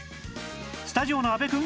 スタジオの阿部くん